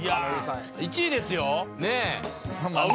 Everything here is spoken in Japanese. １位ですよ！